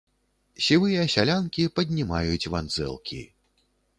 Сівыя сялянкі паднімаюць вандзэлкі.